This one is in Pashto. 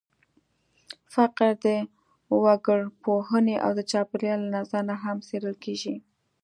فقر د وګړپوهنې او د چاپېریال له نظره هم څېړل کېږي.